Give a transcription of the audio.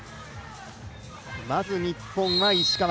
まず日本は石川。